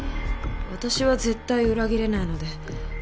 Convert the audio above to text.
私は絶対裏切れないので。